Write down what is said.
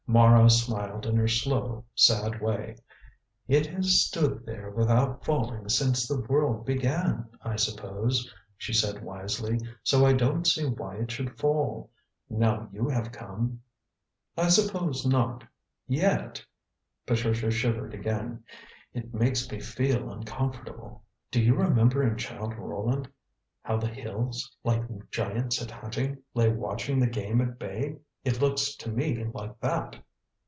Mara smiled in her slow, sad way. "It has stood there without falling since the world began, I suppose," she said wisely, "so I don't see why it should fall, now you have come." "I suppose not. Yet," Patricia shivered again, "it makes me feel uncomfortable. Do you remember in 'Childe Roland,' how the hills, like giants at hunting, lay watching the game at bay. It looks to me like that."